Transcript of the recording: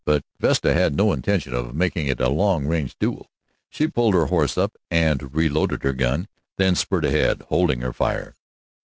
But Vesta had no intention of making it a long range duel. She pulled her horse up and reloaded her gun, then spurred ahead, holding her fire.